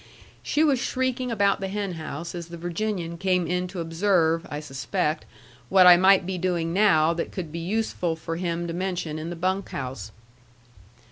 She was shrieking about the hen house as the Virginian came in to observe (I suspect) what I might be doing now that could be useful for him to mention in the bunk house.